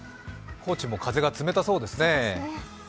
高知も風が冷たそうですね。